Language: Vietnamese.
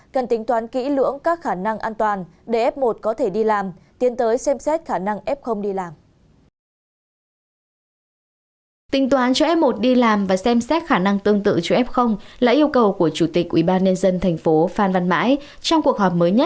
hãy đăng ký kênh để ủng hộ kênh của chúng mình nhé